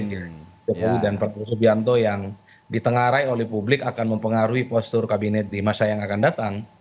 jokowi dan prabowo subianto yang ditengarai oleh publik akan mempengaruhi postur kabinet di masa yang akan datang